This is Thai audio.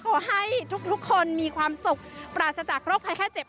ขอให้ทุกคนมีความสุขปราศจากโรคภัยไข้เจ็บ